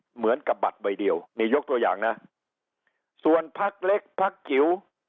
เหมือนกับบัตรใบเดียวนี่ยกตัวอย่างนะส่วนพักเล็กพักจิ๋ว